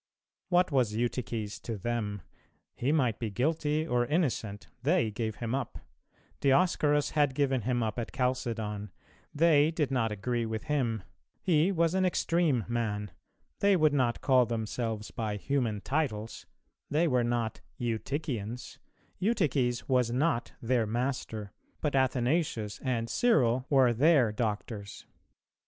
What was Eutyches to them? He might be guilty or innocent; they gave him up: Dioscorus had given him up at Chalcedon;[313:3] they did not agree with him:[313:4] he was an extreme man; they would not call themselves by human titles; they were not Eutychians; Eutyches was not their master, but Athanasius and Cyril were their doctors.